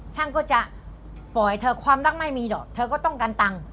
ช่างก็จะปล่อยเธอความรักไม่มีหรอกเธอก็ต้องกันตังค์